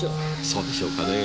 そうでしょうかね。